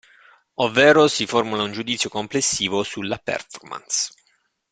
Ovvero si formula un giudizio complessivo sulla performance.